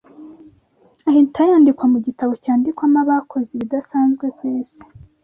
ahita yandikwa mu gitabo cyandikwamo abakoze ibidasanzwe ku isi